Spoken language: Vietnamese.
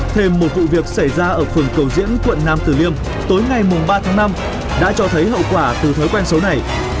thêm một vụ việc xảy ra ở phường cầu diễn quận nam tử liêm tối ngày ba tháng năm đã cho thấy hậu quả từ thói quen số này